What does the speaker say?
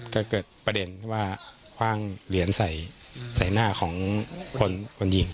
ก็เกิดประเด็นว่าคว่างเหรียญใส่หน้าของคนยิง